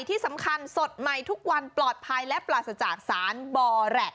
ที่สำคัญสดใหม่ทุกวันปลอดภัยและปราศจากสารบอแร็ก